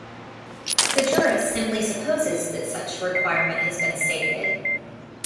The jurist simply supposes that such a requirement has been stated.